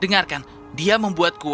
dengarkan dia membuat kue